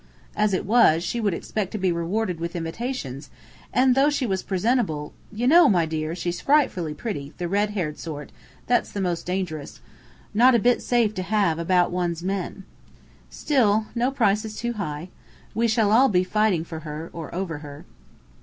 As it was, she would expect to be rewarded with invitations: and though she was presentable, "You know, my dear, she's frightfully pretty, the red haired sort, that's the most dangerous not a bit safe to have about one's men. Still no price is too high. We shall all be fighting for her or over her."